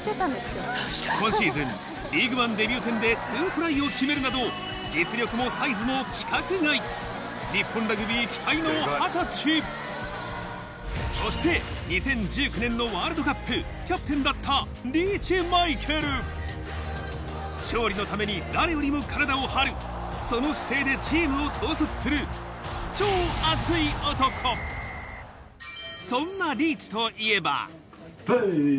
今シーズンリーグワンデビュー戦で２トライを決めるなど実力もサイズも規格外日本ラグビー期待の二十歳そして２０１９年のワールドカップキャプテンだったリーチマイケル勝利のために誰よりも体を張るその姿勢でチームを統率する超そんなハハハハ。